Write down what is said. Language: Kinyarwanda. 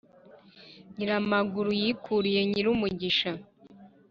Nyiramaguru yirukiye Nyirumugisha